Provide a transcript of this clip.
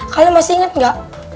kalian masih inget gak